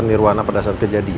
yang basah leher